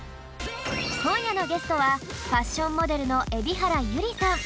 こんやのゲストはファッションモデルの蛯原友里さん。